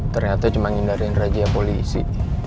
ternyata cuma ngindarin rajia polisi